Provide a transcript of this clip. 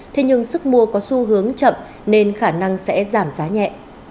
thế nhưng sức mua có xu hướng chậm nên khả năng sẽ giảm giá nhẹ